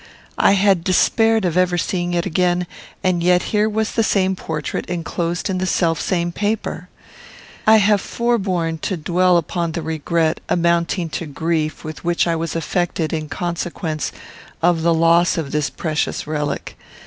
I had despaired of ever seeing it again, and yet here was the same portrait enclosed in the selfsame paper! I have forborne to dwell upon the regret, amounting to grief, with which I was affected in consequence of the loss of this precious relic.